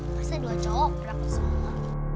pasti dua cowok rak semua